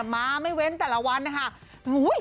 มาไม่เว้นแต่ละวันนะคะ